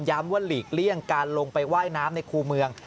ว่าหลีกเลี่ยงการลงไปว่ายน้ำในคู่เมือง